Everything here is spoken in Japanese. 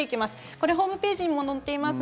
これはホームページでも載っています。